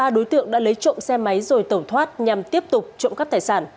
ba đối tượng đã lấy trộm xe máy rồi tẩu thoát nhằm tiếp tục trộm cắp tài sản